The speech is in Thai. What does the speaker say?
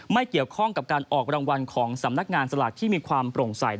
ไม่เกี่ยวข้องกับการออกรางวัลของสำนักงานสลากที่มีความโปร่งใส